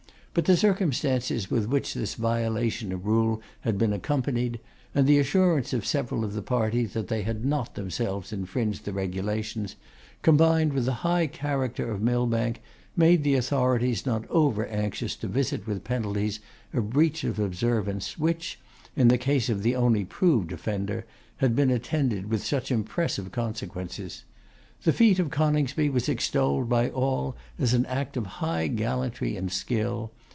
But the circumstances with which this violation of rules had been accompanied, and the assurance of several of the party that they had not themselves infringed the regulations, combined with the high character of Millbank, made the authorities not over anxious to visit with penalties a breach of observance which, in the case of the only proved offender, had been attended with such impressive consequences. The feat of Coningsby was extolled by all as an act of high gallantry and skill.